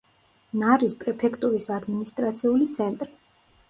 ნარის პრეფექტურის ადმინისტრაციული ცენტრი.